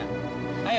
ayo turunin semuanya